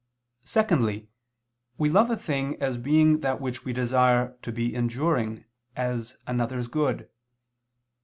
Secondly, we love a thing as being that which we desire to be enduring as another's good.